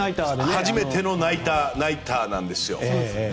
初めてのナイターなんですよ。